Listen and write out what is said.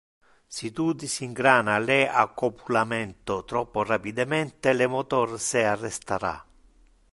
Si tu disingrana le accopulamento troppo rapidemente, le motor se arrestara.